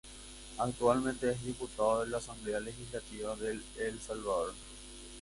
Actualmente es diputado de la Asamblea Legislativa de El Salvador.